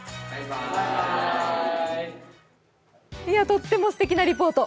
とってもすてきなリポート！